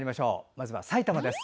まずは埼玉です。